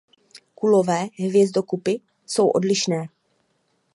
Kulové hvězdokupy jsou odlišné.